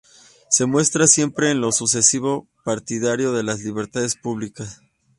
Se muestra siempre en lo sucesivo partidario de las libertades públicas.